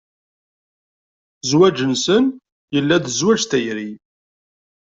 Zzwaǧ-nsen yella-d d zzwaǧ n tayri.